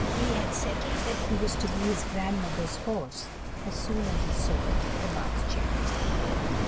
He had settled that he was to be his grandmother's horse as soon as he saw the Bath chair.